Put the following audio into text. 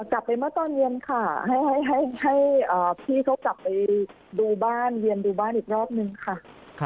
กลับไปเมื่อตอนเย็นค่ะให้พี่เขากลับไปดูบ้านเวียนดูบ้านอีกรอบนึงค่ะ